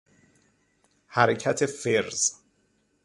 حرکت فرز